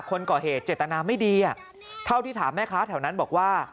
คนก่อเหตุเจตนาไม่ดีเท่าที่ถามแม่ค้าแถวนั้นบอกว่า